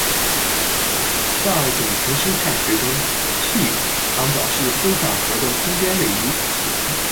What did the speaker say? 在种群生态学中 ，“t” 常表示分散核的空间位移。